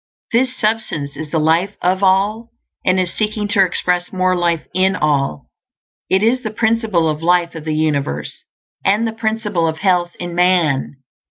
This Substance is the Life of All, and is seeking to express more life in all. It is the Principle of Life of the universe, and the Principle of Health in man.